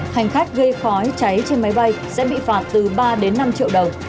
hành khách gây khói cháy trên máy bay sẽ bị phạt từ ba đến năm triệu đồng